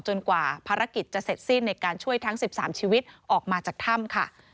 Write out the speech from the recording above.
กว่าภารกิจจะเสร็จสิ้นในการช่วยทั้ง๑๓ชีวิตออกมาจากถ้ำค่ะ